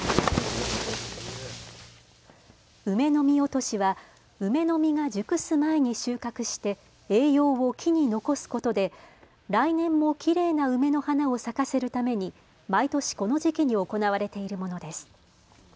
梅の実落としは梅の実が熟す前に収穫して栄養を木に残すことで来年もきれいな梅の花を咲かせるために毎年この時期に行われているものです。